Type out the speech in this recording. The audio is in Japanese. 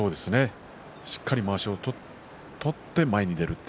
しっかりとまわしを取って前に出る。